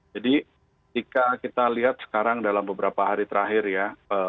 jadi jika kita lihat sekarang dalam beberapa hari terakhir ya